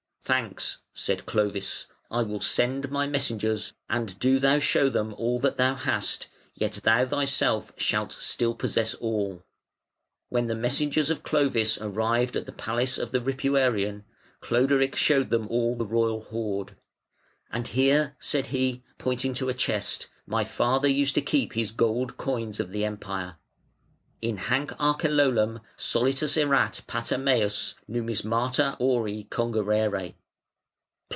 "Thanks", said Clovis, "I will send my messengers, and do thou show them all that thou hast, yet thou thyself shalt still possess all". When the messengers of Clovis arrived at the palace of the Ripuanan, Cloderic showed them all the royal hoard. "And here", said he, pointing to a chest, "my father used to keep his gold coins of the Empire". (In hanc arcellolam solitus erat pater meus numismata auri congerere.)